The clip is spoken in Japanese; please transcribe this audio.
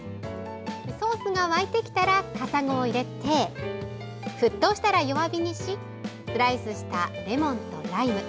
ソースが沸いてきたらカサゴを入れて沸騰したら弱火にしスライスしたレモンとライム。